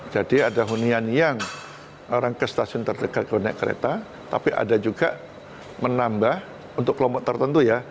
jadi ada hunian yang orang ke stasiun terdekat keunik kereta tapi ada juga menambah untuk kelompok tertentu ya